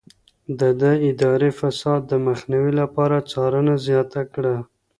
ده د اداري فساد د مخنيوي لپاره څارنه زياته کړه.